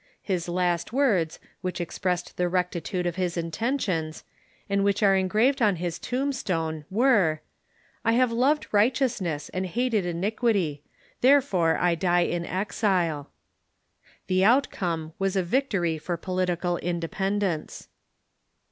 His last words, which expressed the rectitude of his intentions, and which are engraved on his tombstone, were :" I have loved righteousness and hated iniquity ; therefore I die in exile." The outcome was a victory for political independence.